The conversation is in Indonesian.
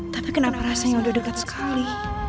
tapi kenapa rasanya udah dekat sekali